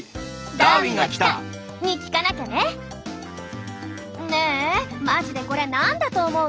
「ダーウィンが来た！」。に聞かなきゃね！ねえマジでこれ何だと思う？